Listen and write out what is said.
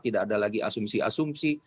tidak ada lagi asumsi asumsi